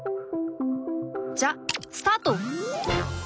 じゃあスタート！